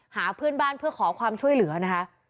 หาเพื่อนบ้านเพื่อขอความช่วยเหลือนะคะ